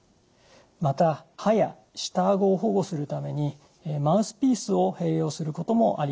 また歯や下顎を保護するためにマウスピースを併用することもあります。